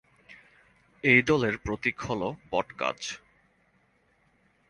এই দলের প্রতীক হলো বট গাছ।